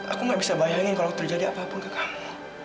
aku gak bisa bayangin kalau terjadi apapun ke kamu